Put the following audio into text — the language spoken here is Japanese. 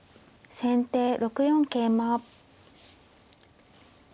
先手６四桂馬。